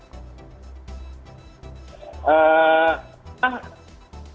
sejumlah event yang ada